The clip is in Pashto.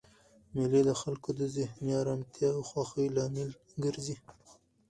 مېلې د خلکو د ذهني ارامتیا او خوښۍ لامل ګرځي.